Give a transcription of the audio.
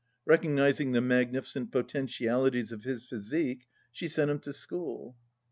Recognizing the magnlQcent potentialities of his physique, she sent him to school.